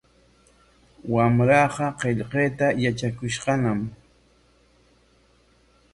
Wamraaqa qillqayta yatrakushqañam.